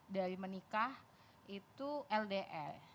dari menikah itu ldr